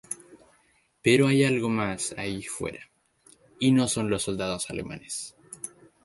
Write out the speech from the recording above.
Pero hay algo más ahí fuera, y no son los soldados alemanes.